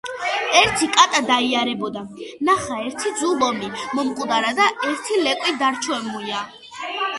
ერთი კატა დაიარებოდა. ნახა, ერთი ძუ ლომი მომკვდარა და ერთი ლეკვი დარჩომია